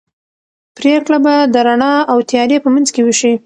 پرېکړه به د رڼا او تیارې په منځ کې وشي.